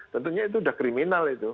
tentunya itu sudah kriminal itu